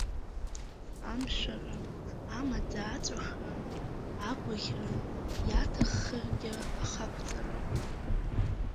Амшәара, амаӡа аҵәахра, агәаӷьра, иаҭаххаргьы аха-қәҵара!